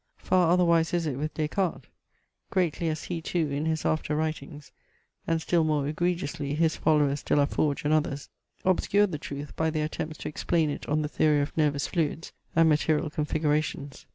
Far otherwise is it with Des Cartes; greatly as he too in his after writings (and still more egregiously his followers De la Forge, and others) obscured the truth by their attempts to explain it on the theory of nervous fluids, and material configurations.